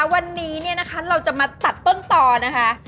วันนี้เนี่ยนะคะเราจะมาตัดต้นต่อนะคะ